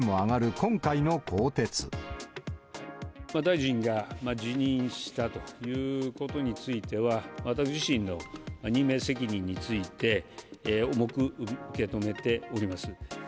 今大臣が辞任したということについては、私自身の任命責任について重く受け止めております。